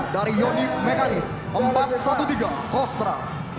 dari yonif mekanis empat ratus tiga belas kostra